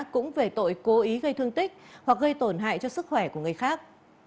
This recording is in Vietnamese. cũng về tội cố ý gây thương tích hoặc gây tổn hại cho sức khỏe của người khác